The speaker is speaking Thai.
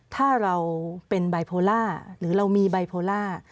ถ้าเราเป็นบายโพล่าหรือเรามีไบโพล่า